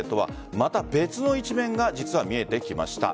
また別の一面が実は見えてきました。